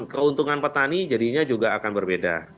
keuntungan petani jadinya juga akan berbeda